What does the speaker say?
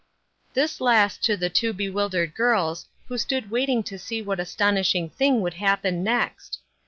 This last to the two bewildered girls, who stood waiting to see what astonishing thing would happen next.